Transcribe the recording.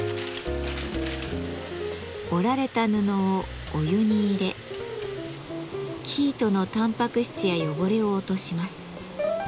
織られた布をお湯に入れ生糸のたんぱく質や汚れを落とします。